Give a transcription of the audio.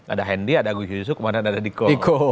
ada hendi ada agus yusuf kemudian ada diko